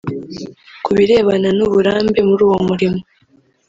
Ku birebana n’uburambe muri uwo murimo